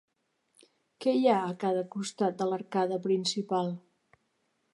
Què hi ha a cada costat de l'arcada principal?